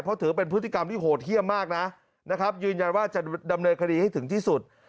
เพราะถือเป็นพฤติกรรมที่โหดเยี่ยมมากนะนะครับยืนยันว่าจะดำเนินคดีให้ถึงที่สุด